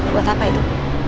buat apa itu